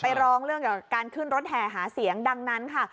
ร้องเรื่องกับการขึ้นรถแห่หาเสียงดังนั้นค่ะ